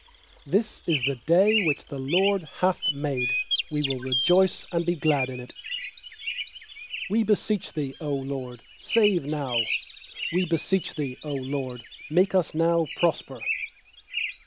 24This is the day which the LORD hath made; We will rejoice and be glad in it. 25We beseech Thee, 0 LORD, save now! We beseech Thee, 0 LORD, make us now to prosper!